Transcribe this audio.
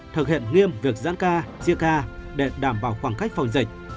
thực hiện nghiêm việc giãn ca chia ca để đảm bảo khoảng cách phòng dịch